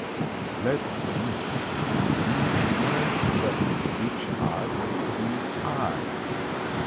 Let "B" be a non-empty set for each "i" in "I".